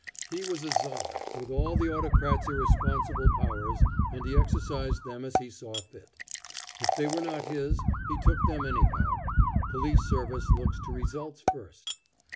He was a Czar, with all an autocrat's irresponsible powers, and he exercised them as he saw fit. If they were not his, he took them anyhow; police service looks to results first.